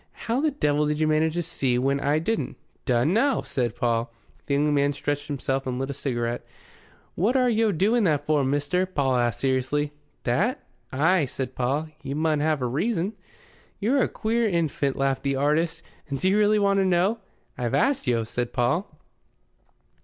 "How the devil did you manage to see that when I didn't?" "Dun no!" said Paul. The young man stretched himself and lit a cigarette. "What are yo' doing that for, mister?" Paul asked seriously. "That?" "Ay," said Paul. "You mun have a reason." "You're a queer infant," laughed the artist. "Do you really want to know?" "I've asked yo'," said Paul.